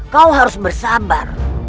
kau harus bersabar